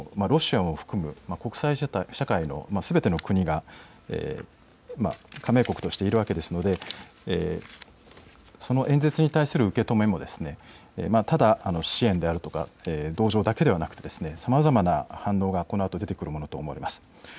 当然、国連にはロシアも含む国際社会のすべての国が加盟国としているわけですのでその演説に対する受け止めもただ、支援であるとか同情だけではなくてさまざまな反応が、このあと出てくるものと思います。